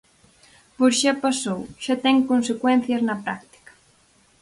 Pois xa pasou, xa ten consecuencias na práctica.